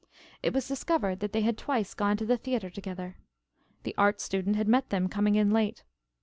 It was discovered that they had twice gone to the theater together. The art student had met them coming in late.